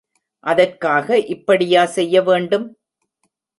அதற்காக இப்படியா செய்யவேண்டும்?